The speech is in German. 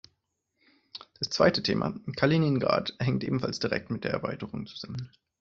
Das zweite Thema, Kaliningrad, hängt ebenfalls direkt mit der Erweiterung zusammen.